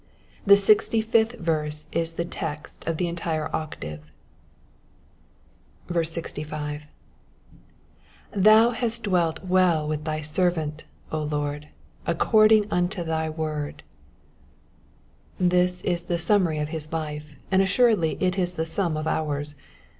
The sixty i^fth verse is the text of the entire octave. 65. ''''Thou hast dealt well with thy servant, Lord, according unto thy word,^^ This is the summary of his life, and assuredly it is the sum of ours.